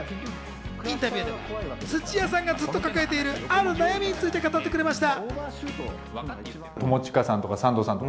インタビューでは土屋さんがずっと抱えているある悩みについて語ってくれました。